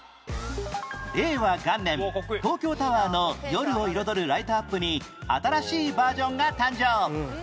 令和元年東京タワーの夜を彩るライトアップに新しいバージョンが誕生